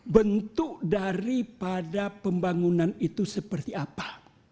bentuk daripada pembangunan itu seperti apa